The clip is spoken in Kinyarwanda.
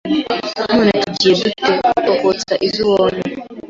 None tugire dute, pfa kotsa izo ubonye